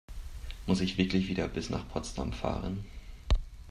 Muss ich wirklich wieder bis nach Potsdam fahren?